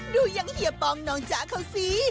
ดูอย่างเฮียปองน้องจ๊ะเขาสิ